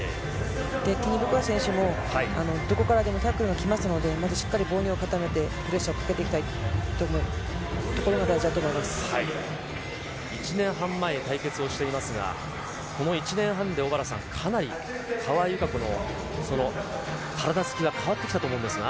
ティニベコワ選手も、どこからでもタックルが来ますので、まずしっかりと防御を固めて、プレッシャーをかけていきたいと１年半前、対決をしていますが、この１年半で小原さん、かなり川井友香子の、その体つきが変わってきたと思うんですが。